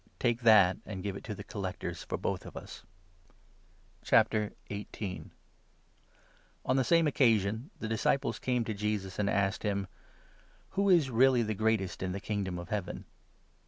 Take that, and give it to the collectors for both of us. " on On the same occasion the dfsciples came to i Humility. Jesus, and asked him : "Who is really the greatest in the Kingdom of Heaven?"